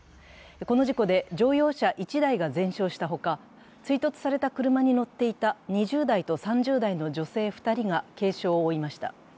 この事故で乗用車１台が炎上したほか追突された車に乗っていた２０代と３０代の女性２人が軽傷を負いました。